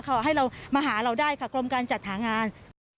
ขอให้เรามาหาเราได้ค่ะกรมการจัดหางาน